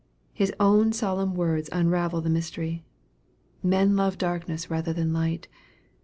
His own solemn words unravel the mystery, " Men love darkness rather than light."